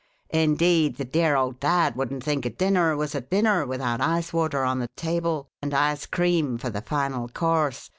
Indeed, the dear old dad wouldn't think a dinner was a dinner without ice water on the table, and ice cream for the final course.